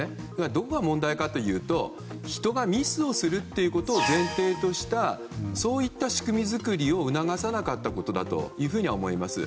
どこが問題かというと人がミスをするということを前提としたそういった仕組み作りを促さなかったことだというふうに思います。